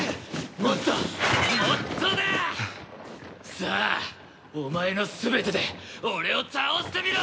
さあお前の全てで俺を倒してみろ！